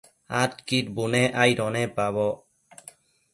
Adquid bunec aido nepaboc